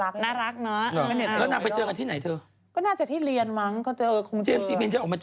ชื่อน้องผู้หญิงมีอะไรสีขาวเบา